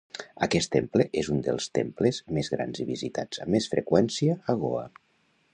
Aquest temple és un dels temples més grans i visitats amb més freqüència a Goa.